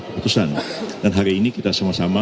putusan dan hari ini kita sama sama